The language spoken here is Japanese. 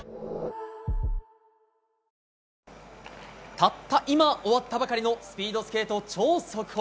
たった今終わったばかりのスピードスケート超速報。